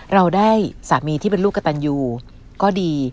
เราได้สามีที่เป็นลูกกระตันยูก็ดี